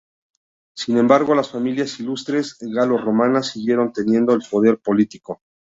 Sin embargo, las familias ilustres galo-romanas siguieron teniendo el poder político.